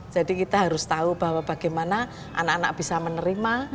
jadi kita harus tahu bahwa bagaimana anak anak bisa menerima